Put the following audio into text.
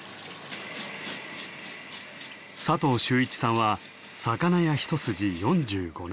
佐藤秀一さんは魚屋一筋４５年。